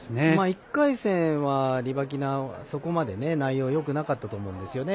１回戦はリバキナそこまで内容よくなかったと思うんですよね。